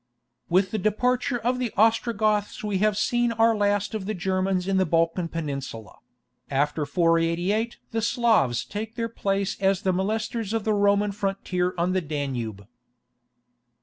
With the departure of the Ostrogoths we have seen our last of the Germans in the Balkan Peninsula; after 488 the Slavs take their place as the molesters of the Roman frontier on the Danube.